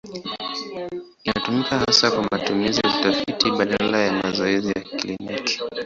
Inatumika hasa kwa matumizi ya utafiti badala ya mazoezi ya kliniki.